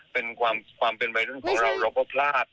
เป็นความเป็นวัยรุ่นของเราเราก็พลาด